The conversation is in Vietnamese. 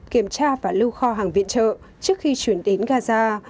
kiểm tra và lưu kho hàng viện trợ trước khi chuyển đến gaza